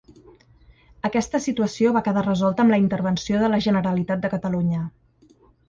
Aquesta situació va quedar resolta amb la intervenció de la Generalitat de Catalunya.